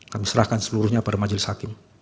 kami serahkan seluruhnya pada majelis hakim